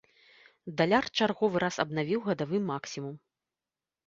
Даляр чарговы раз абнавіў гадавы максімум.